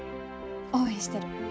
応援してる。